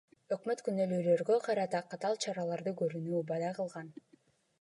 Өкмөт күнөөлүүлөргө карата катаал чараларды көрүүнү убада кылган.